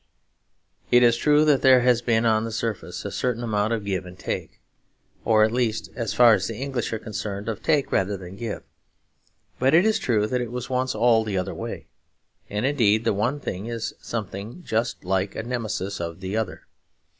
It is true that there has been on the surface a certain amount of give and take; or at least, as far as the English are concerned, of take rather than give. But it is true that it was once all the other way; and indeed the one thing is something like a just nemesis of the other.